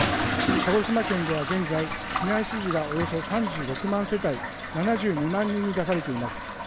鹿児島県では現在、避難指示がおよそ３６万世帯、７２万人に出されています。